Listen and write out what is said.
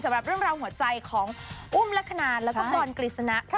สำหรับเรื่องราวหัวใจของอุ้มลักษณะแล้วก็บอลกฤษณะ